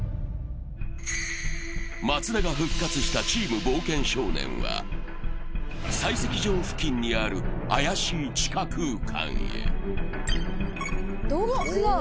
松田が復活したチーム冒険少年は、採石場付近にある怪しい地下空間へ。